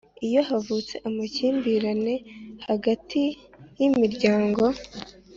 Iyo havutse amakimbirane hagati y imiryango